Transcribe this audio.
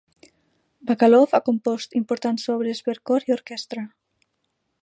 Bacalov ha compost importants obres per cor i orquestra.